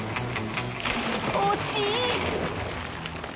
惜しい！